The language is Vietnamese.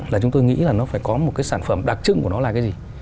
là chúng tôi nghĩ là nó phải có một cái sản phẩm đặc trưng của nó là cái gì